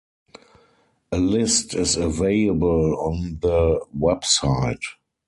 A list is available on the website.